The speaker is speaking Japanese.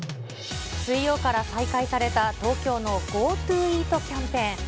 水曜から再開された東京のＧｏＴｏイートキャンペーン。